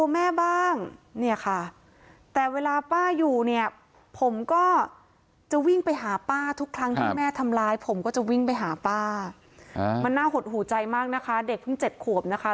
แม่ทำร้ายผมก็จะวิ่งไปหาป้ามันน่าหดหูใจมากนะคะเด็กเพิ่ง๗ขวบนะคะ